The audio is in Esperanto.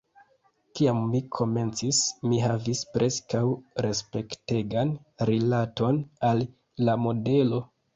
Kiam mi komencis, mi havis preskaŭ respektegan rilaton al la modelo.